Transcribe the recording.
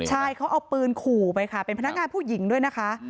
ใช่เขาเอาปืนขู่ไปค่ะเป็นพนักงานผู้หญิงด้วยนะคะ